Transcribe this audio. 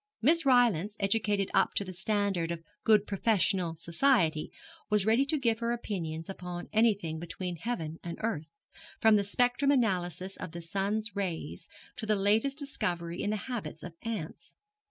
Miss Rylance, educated up to the standard of good professional society, was ready to give her opinions upon anything between heaven and earth, from the spectrum analysis of the sun's rays to the latest discovery in the habits of ants.